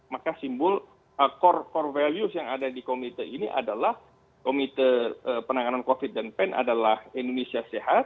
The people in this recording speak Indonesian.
maka simbol core core values yang ada di komite ini adalah komite penanganan covid dan pen adalah indonesia sehat